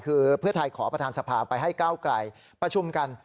คือเพื่อไทยขอประธานสภาไปให้ก้าวไกลประชุมกัน